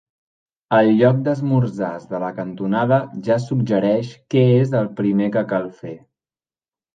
El lloc d'esmorzars de la cantonada ja suggereix què és el primer que cal fer.